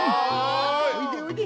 おいでおいで。